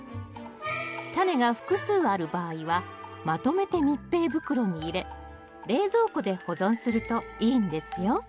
タネが複数ある場合はまとめて密閉袋に入れ冷蔵庫で保存するといいんですよ